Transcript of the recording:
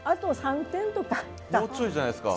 もうちょいじゃないですか。